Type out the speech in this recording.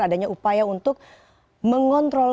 adanya upaya untuk mengontrol